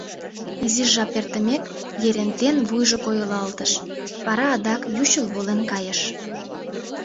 Изиш жап эртымек, Ерентен вуйжо койылалтыш, вара адак ючыл волен кайыш.